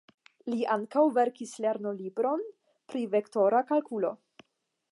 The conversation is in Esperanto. Li ankaŭ verkis lernolibron pri vektora kalkulo.